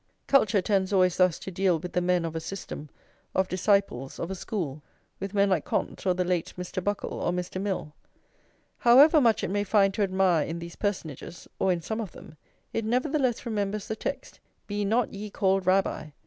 Culture tends always thus to deal with the men of a system, of disciples, of a school; with men like Comte, or the late Mr. Buckle, or Mr. Mill. However much it may find to admire in these personages, or in some of them, it nevertheless remembers the text: "Be not ye called Rabbi!"